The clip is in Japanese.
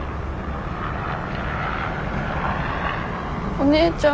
お姉ちゃん。